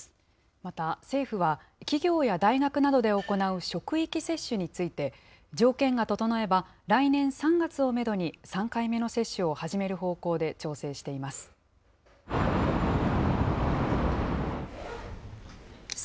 また、政府は企業や大学などで行う職域接種について、条件が整えば、来年３月をメドに３回目の接種を始める方向で調整しています。